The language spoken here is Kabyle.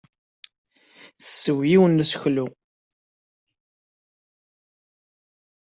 Tessew yiwen n useklu.